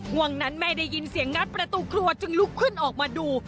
ห่วงนั้นแม่ได้ยินเสียงงัดประตูครัวจึงลุกขึ้นออกมาดู